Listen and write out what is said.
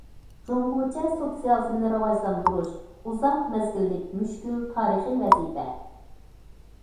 جۇڭگوچە سوتسىيالىزمنى راۋاجلاندۇرۇش ئۇزاق مەزگىللىك مۈشكۈل تارىخىي ۋەزىپە.